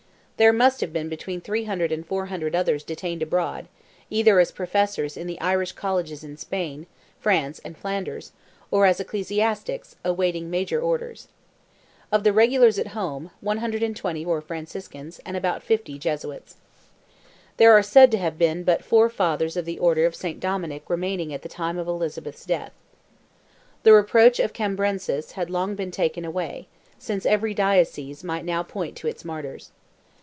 There must have been between 300 and 400 others detained abroad, either as Professors in the Irish Colleges in Spain, France, and Flanders, or as ecclesiastics, awaiting major orders. Of the regulars at home, 120 were Franciscans, and about 50 Jesuits. There are said to have been but four Fathers of the Order of St. Dominick remaining at the time of Elizabeth's death. The reproach of Cambrensis had long been taken away, since every Diocese might now point to its martyrs.